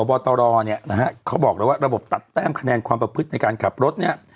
ตัวพอปอตรเขาบอกแล้วว่าระบบตัดแต้มคะแนนความประพฤติในการขับรถ